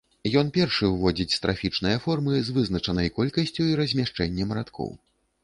Ён першы ўводзіць страфічныя формы з вызначанай колькасцю і размяшчэннем радкоў.